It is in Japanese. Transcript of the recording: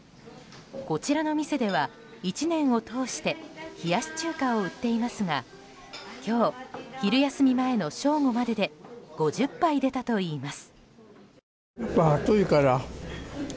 こちらの店では１年を通して冷やし中華を売っていますが今日、昼休み前の正午までで５０杯出たといいます。